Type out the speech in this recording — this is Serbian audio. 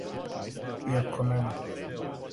И око мене.